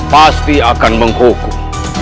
pasti akan menghukum